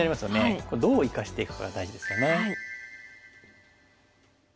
これどう生かしていくかが大事ですよね。